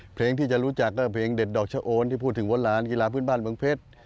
เพลงที่จะรู้จักก็เพลงเด็ดดอกชะโอนที่พูดถึงวนหลานกีฬาพื้นบ้านเมืองเพชร